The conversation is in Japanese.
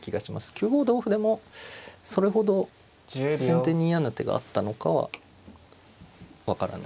９五同歩でもそれほど先手に嫌な手があったのかは分からないですが。